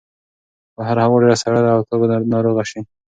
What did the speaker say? بهر هوا ډېره سړه ده او ته به ناروغه شې.